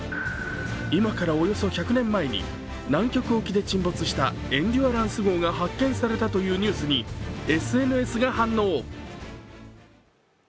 今からおよそ１００年前に南極沖で沈没した「エンデュアランス」号が発見されたというニュースに、ＳＮＳが反応。